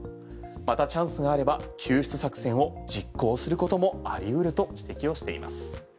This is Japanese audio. またチャンスがあれば救出作戦を実行することもあり得ると指摘をしています。